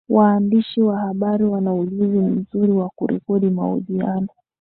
waandishi wa habari wana ujuzi mzuri wa kurekodi mahojiano